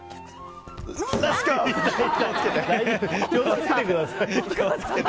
気を付けてください。